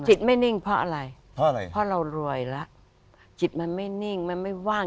จิตไม่นิ่งเพราะอะไรเพราะเรารวยละจิตมันไม่นิ่งมันไม่ว่าง